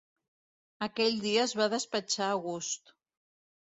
Aquell dia es va despatxar a gust.